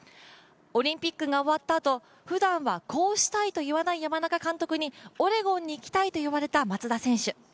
オリンピックが終わったあとふだんはこうしたいと言わない山中監督に、オレゴンに行きたいと言われた松田選手。